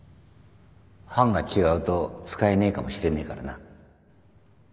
版が違うと使えねえかもしれねえからな